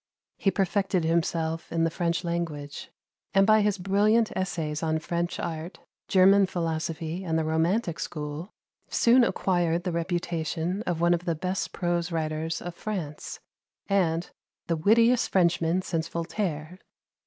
He perfected himself in the French language, and by his brilliant essays on French art, German philosophy, and the Romantic School, soon acquired the reputation of one of the best prose writers of France, and the "wittiest Frenchman since Voltaire."